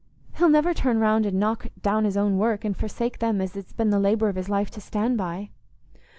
He'll never turn round and knock down his own work, and forsake them as it's been the labour of his life to stand by."